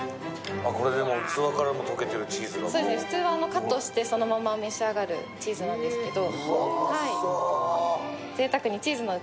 普通はカットして、そのまま召し上がるチーズなんですけど。